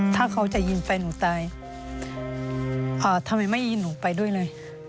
ถ้าเขาจะยิงแฟนหนูตายทำไมไม่ยิงหนูไปด้วยเลย